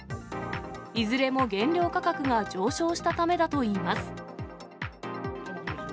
いずれも原料価格が上昇したためだといいます。